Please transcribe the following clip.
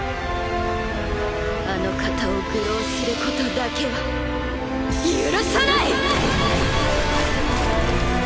あの方を愚弄することだけは許さない！